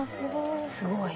すごい。